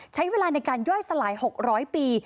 ใช้เวลาในการย่อยสลาย๖๐๐ปี